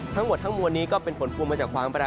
ทั้งหมดทั้งมวลนี้ก็เป็นผลพวงมาจากความประดา